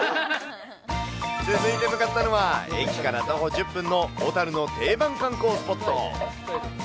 続いて向かったのは、駅から徒歩１０分の小樽の定番観光スポット。